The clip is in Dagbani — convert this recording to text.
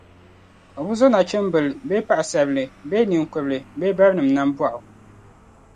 o bi zo nachimbil’ bee paɣisarili bee ninkurili bee barinim’ nambɔɣu.